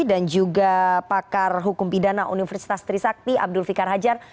dan juga pakar hukum pidana universitas trisakti abdul fikar hajar